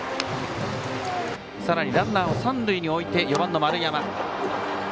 さらにランナーを三塁に置いて４番の丸山。